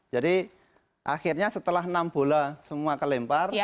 jadi akhirnya setelah enam bola semua kelempar